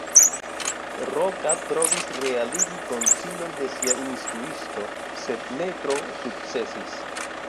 Roka provis realigi konsilon de sia instruisto, sed ne tro sukcesis.